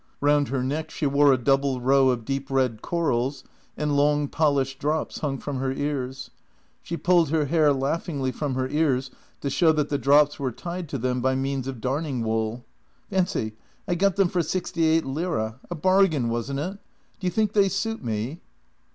Round her neck she wore a double row of deep red corals, and long, polished drops hung from her ears. She pulled her hair laughingly from her ears to show that the drops were tied to them by means of darning wool. "Fancy, I got them for sixty eight lire — a bargain, wasn't it? Do you think they suit me?